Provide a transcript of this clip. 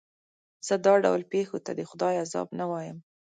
زه دا ډول پېښو ته د خدای عذاب نه وایم.